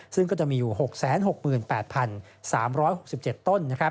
ซึ่งก็จะมีอยู่๖๖๘๓๖๗ต้น